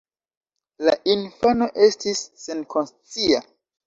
La infano estis senkonscia.